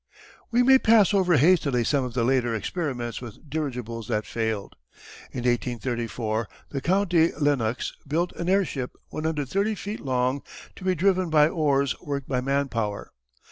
] We may pass over hastily some of the later experiments with dirigibles that failed. In 1834 the Count de Lennox built an airship 130 feet long to be driven by oars worked by man power.